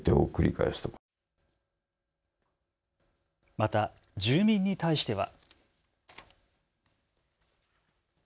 また住民に対しては。